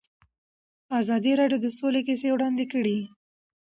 ازادي راډیو د سوله کیسې وړاندې کړي.